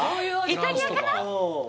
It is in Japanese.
イタリアかな？